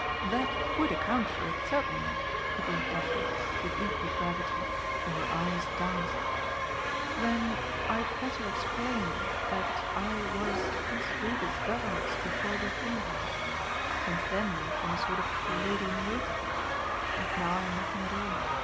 "That would account for it, certainly," agreed Daphne, with equal gravity, though her eyes danced. "Then I'd better explain that I was Princess Ruby's governess before we came here. Since then I've been a sort of lady in waiting and now I'm nothing at all.